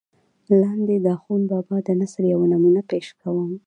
لاندې دَاخون بابا دَنثر يوه نمونه پېش کوم